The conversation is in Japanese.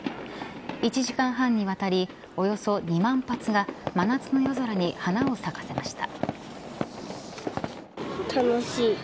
１時間半にわたりおよそ２万発が真夏の夜空に花を咲かせました。